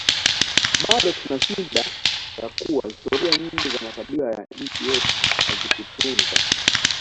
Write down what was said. Bado tunashida ya kuwa historia nyingi za makabila ya nchi yetu hazikutunzwa